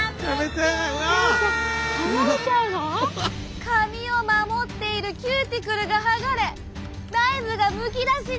剥がれちゃうの？髪を守っているキューティクルが剥がれ内部がむき出しに！